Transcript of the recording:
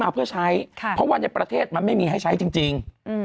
เพราะว่าในประเทศมันไม่มีให้ใช้จริง